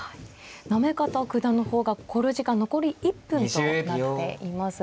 行方九段の方が考慮時間残り１分となっています。